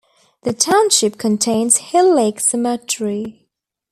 The township contains Hill Lake Cemetery.